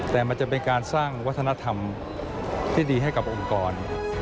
แต่มันจะเป็นการสร้างวัฒนธรรมที่ดีให้กับองค์กร